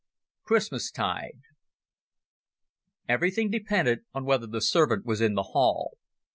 Christmastide Everything depended on whether the servant was in the hall.